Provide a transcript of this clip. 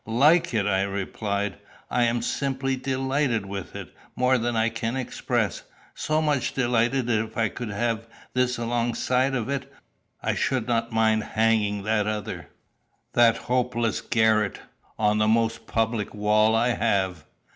"Like it!" I returned; "I am simply delighted with it, more than I can express so much delighted that if I could have this alongside of it, I should not mind hanging that other that hopeless garret on the most public wall I have."